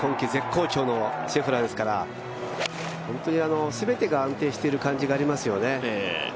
今季絶好調のシェフラーですから全てが安定している感じがありますよね。